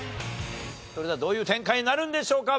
それではどういう展開になるんでしょうか？